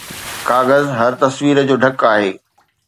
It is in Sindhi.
ڪاغذ هر تصوير جو ڍڪ آهي